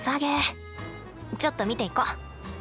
ちょっと見ていこう！